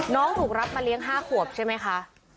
น้องถูกรับมาเลี้ยง๕ขวบใช่ไหมคะ